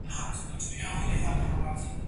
هغه څوک چي چپنه پاکوي منظم وي!؟